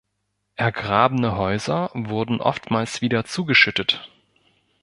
Ergrabene Häuser wurden oftmals wieder zugeschüttet.